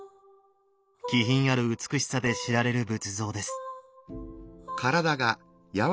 気品ある美しさで知られる仏像です。